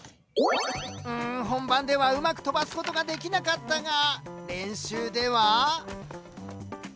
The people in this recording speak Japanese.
うん本番ではうまく飛ばすことができなかったが練習では。